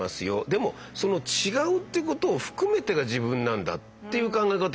でもその違うってことを含めてが自分なんだっていう考え方